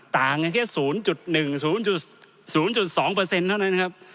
ต่างแค่๐๑๐๒เท่านั้นครับ